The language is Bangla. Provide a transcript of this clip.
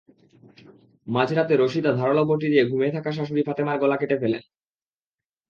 মাঝরাতে রশিদা ধারালো বঁটি দিয়ে ঘুমিয়ে থাকা শাশুড়ি ফাতেমার গলা কেটে ফেলেন।